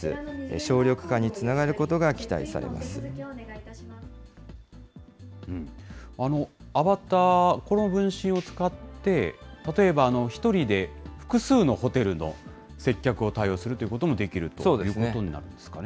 省力化につながることが期待されアバター、この分身を使って、例えば１人で複数のホテルの接客を対応するということもできるとそうですね。